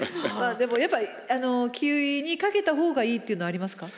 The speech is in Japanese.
でもやっぱり気にかけたほうがいいっていうのありますか？